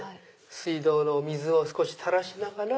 水道のお水を少し垂らしながら。